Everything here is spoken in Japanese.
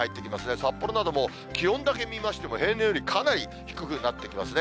札幌なども気温だけ見ましても、平年よりかなり低くなってきますね。